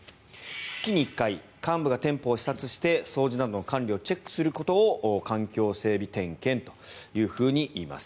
月に１回、幹部が店舗を視察して掃除などの管理をチェックすることを環境整備点検といいます。